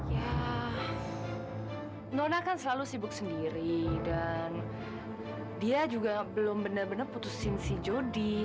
ya nona kan selalu sibuk sendiri dan dia juga belum benar benar putusin si jody